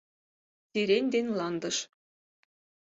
Сирень ден ландыш...